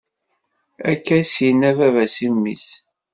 Akka is-yenna baba-s i mmi-s.